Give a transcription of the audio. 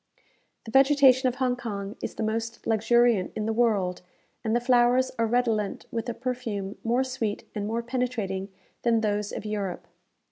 The vegetation of Hong Kong is the most luxuriant in the world, and the flowers are redolent with a perfume more sweet and more penetrating than those of Europe.